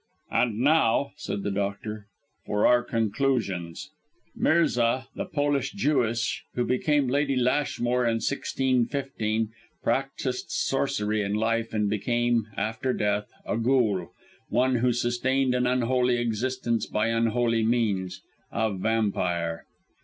"And now," said the doctor, "for our conclusions. Mirza, the Polish Jewess, who became Lady Lashmore in 1615, practised sorcery in life and became, after death, a ghoul one who sustained an unholy existence by unholy means a vampire."